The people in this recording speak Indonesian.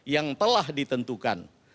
yang telah ditentukan